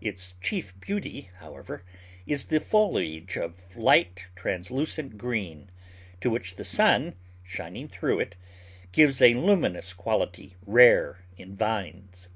Its chief beauty, however, is the foliage of light, translucent green, to which the sun, shining through it, gives a luminous quality rare in vines.